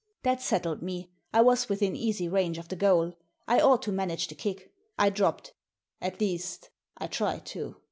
That settled me. I was within easy range of the goal. I ought to manage the kick. I dropped — ^at least, I tried to.